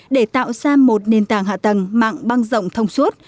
để tạo ra một nền tảng hạ tầng mạng băng rộng thông suốt